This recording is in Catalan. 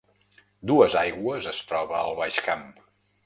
Duesaigües es troba al Baix Camp